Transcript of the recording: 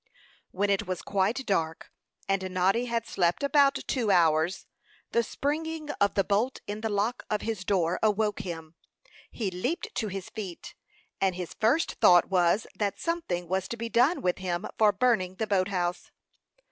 When it was quite dark, and Noddy had slept about two hours, the springing of the bolt in the lock of his door awoke him. He leaped to his feet, and his first thought was, that something was to be done with him for burning the boat house.